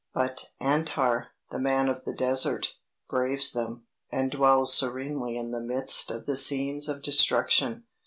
But Antar, the man of the desert, braves them, and dwells serenely in the midst of the scenes of destruction.